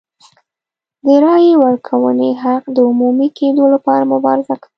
د رایې ورکونې حق د عمومي کېدو لپاره مبارزه کوله.